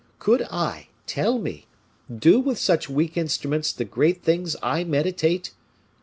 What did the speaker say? Could I, tell me, do with such weak instruments the great things I meditate?